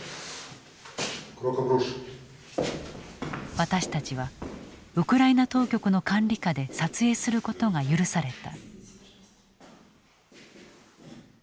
私たちはウクライナ当局の管理下で撮影することが許された。